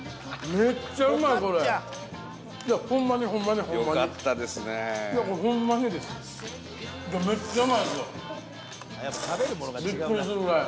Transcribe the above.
めっちゃうまいですよ。